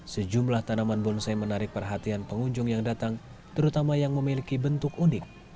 sejumlah tanaman bonsai menarik perhatian pengunjung yang datang terutama yang memiliki bentuk unik